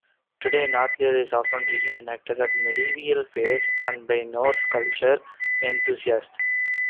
Today, knattleikr is often re-enacted at medieval fairs and by Norse culture enthusiasts.